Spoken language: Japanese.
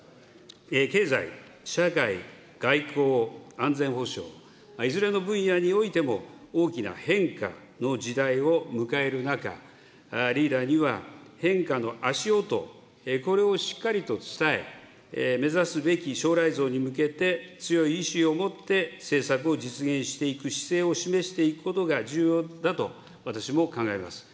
経済、社会、外交、安全保障、いずれの分野においても、大きな変化の時代を迎える中、リーダーには変化の足音、これをしっかりと伝え、目指すべき将来像に向けて、強い意志を持って政策を実現していく姿勢を示していくことが重要だと私も考えます。